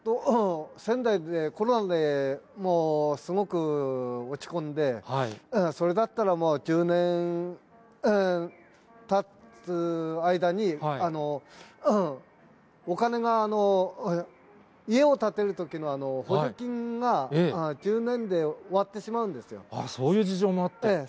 仙台で、コロナですごく落ち込んで、それだったらもう、１０年たつ間に、お金が、家を建てるときの、補助金が、１０年で終わってしまそういう事情もあって。